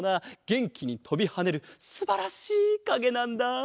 げんきにとびはねるすばらしいかげなんだ！